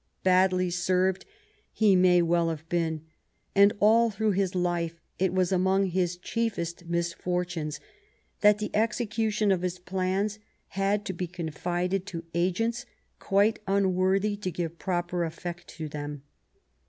Badly served he may well have been, and all through his life it was among his chiefest misfortunes that the execution of his plans had to be confided to agents quite unworthy to give proper effect to them.